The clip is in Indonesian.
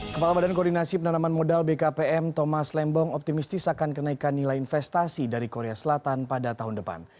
kepala badan koordinasi penanaman modal bkpm thomas lembong optimistis akan kenaikan nilai investasi dari korea selatan pada tahun depan